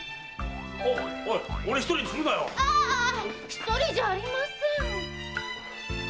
一人じゃありません！